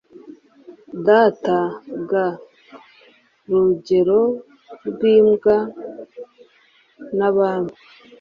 data ga rugero rw’imbwa nabami